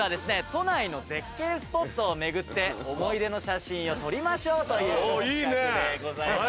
都内の絶景スポットを巡って思い出の写真を撮りましょうという企画でございます。